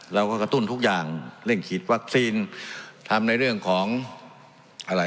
สวัสดีสวัสดีสวัสดีสวัสดี